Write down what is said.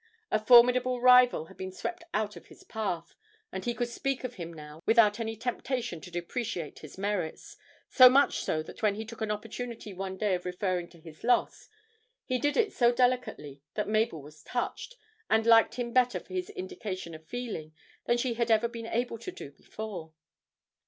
A formidable rival had been swept out of his path, and he could speak of him now without any temptation to depreciate his merits, so much so that when he took an opportunity one day of referring to his loss, he did it so delicately that Mabel was touched, and liked him better for this indication of feeling than she had ever been able to do before.